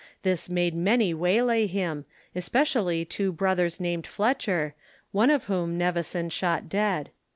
This made many waylay him, especially two brothers named Fletcher, one of whom Nevison shot dead.